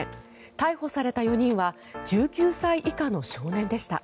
逮捕された４人は１９歳以下の少年でした。